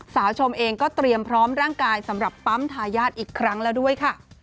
ชมเองก็เตรียมพร้อมร่างกายสำหรับปั๊มทายาทอีกครั้งแล้วด้วยค่ะ